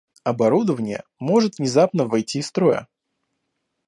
Оборудование может внезапно выйти из строя